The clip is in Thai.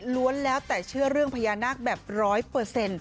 แล้วแต่เชื่อเรื่องพญานาคแบบร้อยเปอร์เซ็นต์